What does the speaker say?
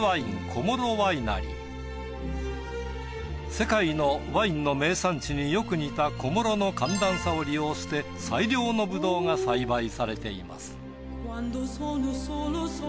世界のワインの名産地によく似た小諸の寒暖差を利用して最良のブドウが栽培されています。